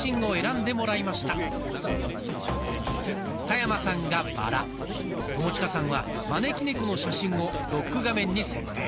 田山さんがバラ友近さんは招き猫の写真をロック画面に設定。